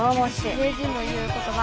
名人の言う言葉。